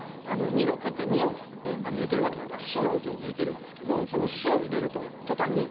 「二六」って２音抜いてるわけだから「シ」の音を抜いてるんですけどその「シ」を入れると途端に。